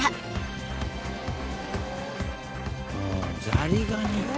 ザリガニ。